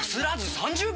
３０秒！